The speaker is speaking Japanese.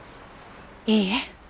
いいえ。